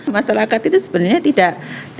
masyarakat itu sebenarnya tidak